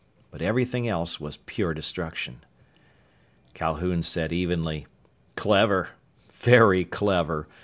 But everything else was pure destruction. Calhoun said evenly, "Clever! Very clever!